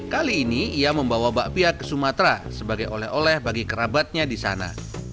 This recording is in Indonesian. kali ini ia membawa bakpia ke sumatera sebagai oleh oleh bagi kerabatnya di sana